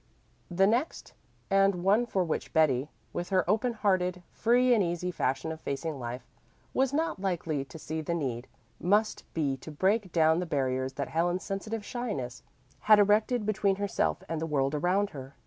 The next, and one for which Betty, with her open hearted, free and easy fashion of facing life, was not likely to see the need, must be to break down the barriers that Helen's sensitive shyness had erected between herself and the world around her.